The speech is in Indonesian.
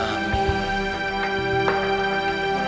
terbaik buat mami